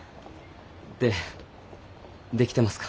で出来てますか？